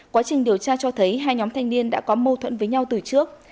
quá trình điều tra cho thấy hai nhóm thanh niên đã có mâu thuẫn với nhau từ trước